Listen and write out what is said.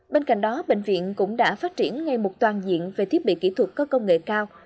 bên cạnh đó bệnh viện cũng đã phát triển ngay một toàn diện về thiết bị kỹ thuật có công nghệ cao